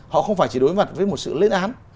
họ không phải chỉ đối mặt với một sự lên án